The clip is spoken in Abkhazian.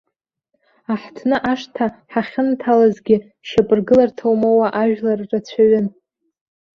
Аҳҭны ашҭа ҳахьынҭалазгьы шьапыргыларҭа умоуа ажәлар рацәаҩын.